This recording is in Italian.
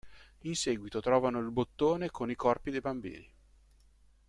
In seguito trovano il bottone con i corpi dei bambini.